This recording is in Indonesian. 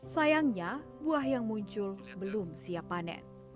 sayangnya buah yang muncul belum siap panen